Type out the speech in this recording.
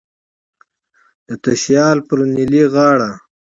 د تشیال پر نیلی غاړه